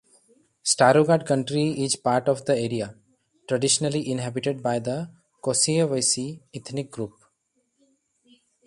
Starogard County is part of the area traditionally inhabited by the Kociewiacy ethnic group.